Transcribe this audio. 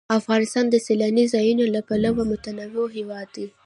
افغانستان د سیلاني ځایونو له پلوه متنوع هېواد دی.